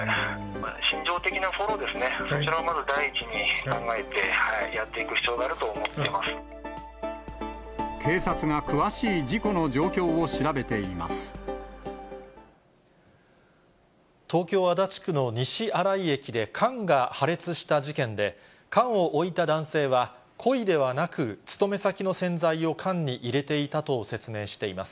心情的なフォローを、そちらをまず第一に考えてやっていく必要が警察が詳しい事故の状況を調東京・足立区の西新井駅で缶が破裂した事件で、缶を置いた男性は、故意ではなく、勤め先の洗剤を缶に入れていたと説明しています。